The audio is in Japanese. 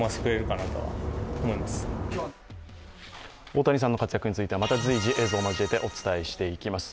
大谷さんの活躍については、また随時映像を交えてお伝えしてまいります。